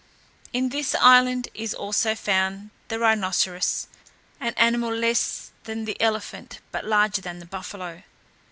In this island is also found the rhinoceros, an animal less than the elephant, but larger than the buffalo.